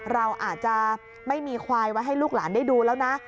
เราอาจจะไม่มีควายไว้ให้ลูกหลานได้ดูแล้วนะ